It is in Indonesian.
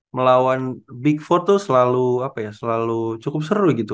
melawan big four tuh selalu apa ya selalu cukup seru gitu